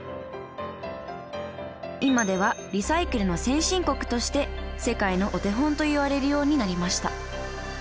今ではリサイクルの先進国として世界のお手本といわれるようになりました。